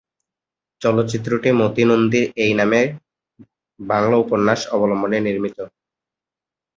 চলচ্চিত্রটি মতি নন্দীর একই নামের বাংলা উপন্যাস অবলম্বনে নির্মিত।